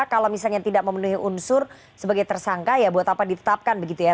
kalau misalnya tidak memenuhi unsur sebagai tersangka ya buat apa ditetapkan begitu ya